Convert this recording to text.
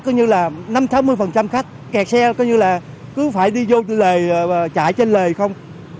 coi như là năm mươi sáu mươi khách kẹt xe coi như là cứ phải đi vô lề chạy trên lề không